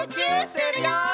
するよ！